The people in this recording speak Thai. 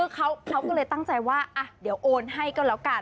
เขาก็เลยตั้งใจว่าเดี๋ยวโอนให้ก็แล้วกัน